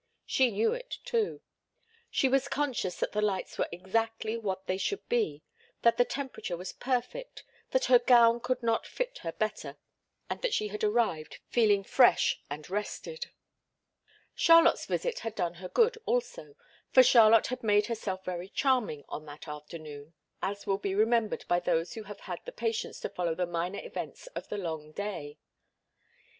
She knew it, too. She was conscious that the lights were exactly what they should be, that the temperature was perfect, that her gown could not fit her better and that she had arrived feeling fresh and rested. Charlotte's visit had done her good, also, for Charlotte had made herself very charming on that afternoon, as will be remembered by those who have had the patience to follow the minor events of the long day.